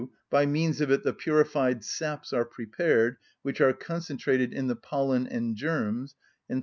by means of it the purified saps are prepared, which are concentrated in the pollen and germs; (3.)